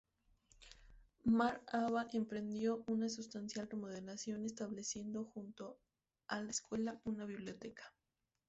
Mar Aba emprendió una sustancial remodelación, estableciendo junto a la escuela una biblioteca.